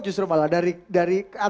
justru malah dari tantangan